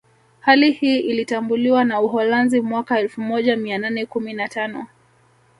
Hali hii ilitambuliwa na Uholanzi mwaka elfumoja mia nane kumi na tano